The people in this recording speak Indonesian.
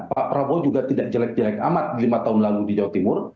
pak prabowo juga tidak jelek jelek amat lima tahun lalu di jawa timur